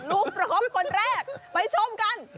ลูกประคบคนแรกไปชมกัน